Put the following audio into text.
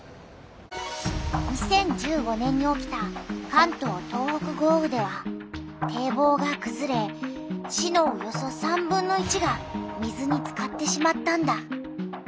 ２０１５年に起きた関東・東北豪雨では堤防がくずれ市のおよそ３分の１が水につかってしまったんだ。